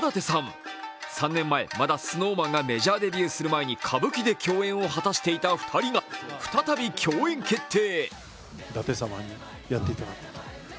３年前、まだＳｎｏｗＭａｎがメジャーデビューする前に歌舞伎で共演を果たしていた２人が再び共演決定。